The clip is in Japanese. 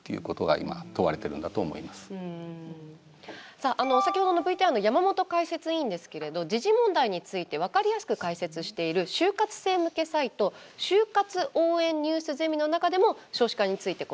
さあ、先程のＶＴＲの山本解説委員ですけれど時事問題について分かりやすく解説している就活生向けサイト就活応援ニュースゼミの中でも少子化について答えています。